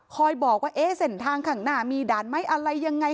บอกว่าเอ๊ะเส้นทางข้างหน้ามีด่านไหมอะไรยังไง